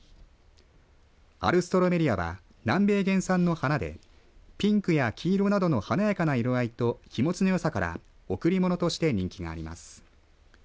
アルストロメリアは南米原産の花でピンクや黄色などの華やかな色合いと日持ちのよさから贈り物として人気があります。